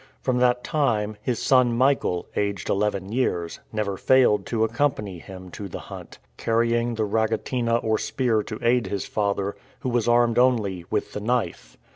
From that time, his son Michael, aged eleven years, never failed to accompany him to the hunt, carrying the ragatina or spear to aid his father, who was armed only with the knife.